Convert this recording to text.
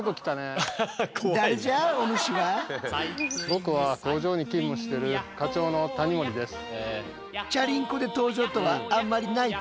僕は工場に勤務してる課長の谷森です。